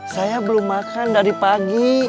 saya belum makan dari pagi